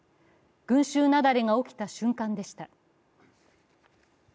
群集雪崩が起きた瞬間でした。